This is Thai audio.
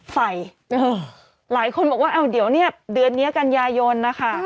ไฟหลายคนบอกว่าเอาเดี๋ยวเนี่ยเดือนนี้กันยายนนะคะ